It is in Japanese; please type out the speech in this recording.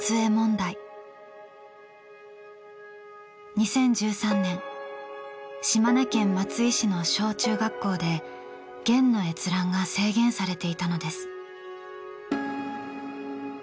２０１３年島根県松江市の小・中学校で『ゲン』の閲覧が制限されていたのです。